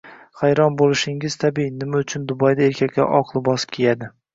Hayron qolishingiz tabiiy: nima uchun Dubayda erkaklar oq libos kiyadi?